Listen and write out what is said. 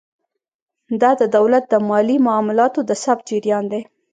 دا د دولت د مالي معاملاتو د ثبت جریان دی.